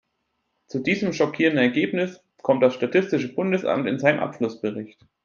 Zu diesem schockierenden Ergebnis kommt das statistische Bundesamt in seinem Abschlussbericht.